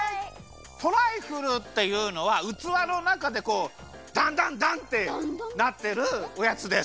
トライフルっていうのはうつわのなかでこうダンダンダンってなってるおやつです！